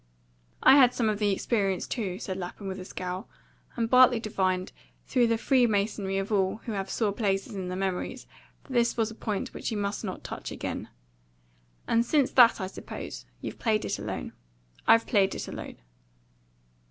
"I had some of the experience too," said Lapham, with a scowl; and Bartley divined, through the freemasonry of all who have sore places in their memories, that this was a point which he must not touch again. "And since that, I suppose, you've played it alone." "I've played it alone."